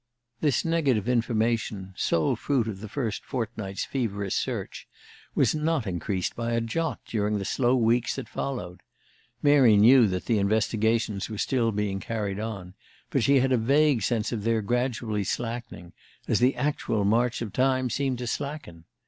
This negative information, sole fruit of the first fortnight's feverish search, was not increased by a jot during the slow weeks that followed. Mary knew that the investigations were still being carried on, but she had a vague sense of their gradually slackening, as the actual march of time seemed to slacken.